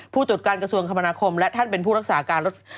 ตรวจการกระทรวงคมนาคมและท่านเป็นผู้รักษาการรถ